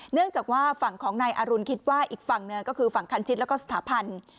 เนื่องจากว่าฝั่งของนายอรุณคิดว่าอีกฝั่งหนึ่งก็คือฝั่งคันชิดแล้วก็สถาพันธ์